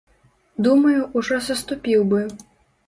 Думаю, ужо саступіў бы.